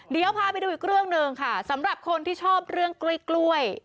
เดี๋ยวพาไปดูอีกเรื่องหนึ่งค่ะสำหรับคนที่ชอบเรื่องกล้วย